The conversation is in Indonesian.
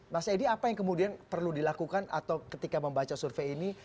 mas edi apa yang kemudian perlu dilakukan atau ketika membaca survei ini